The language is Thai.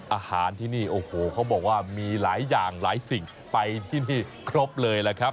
อาหารที่นี่โอ้โหเขาบอกว่ามีหลายอย่างหลายสิ่งไปที่นี่ครบเลยแหละครับ